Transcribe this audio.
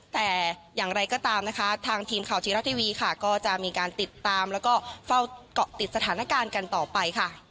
แต่อย่างไรก็ตามนะคะทางทีมข่าวธีรัฐทีวีค่ะก็จะมีการติดตามแล้วก็เฝ้าเกาะติดสถานการณ์กันต่อไปค่ะ